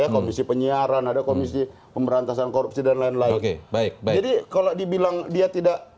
komisi penyiaran ada komisi pemberantasan korupsi dan lain lain baik jadi kalau dibilang dia tidak